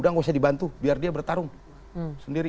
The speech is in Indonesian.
udah gak usah dibantu biar dia bertarung sendiri